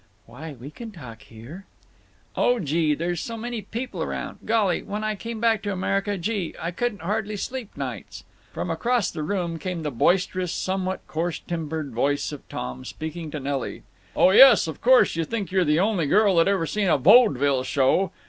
"Why, we can talk here." "Oh, gee!—there's so many people around…. Golly! when I came back to America—gee!—I couldn't hardly sleep nights—" From across the room came the boisterous, somewhat coarse timbred voice of Tom, speaking to Nelly: "Oh yes, of course you think you're the only girl that ever seen a vodville show.